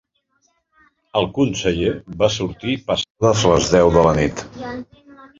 El conseller va sortir passades les deu de la nit.